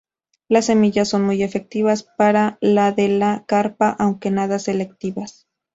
Las semillas son muy efectivas para la de la carpa aunque nada selectivas.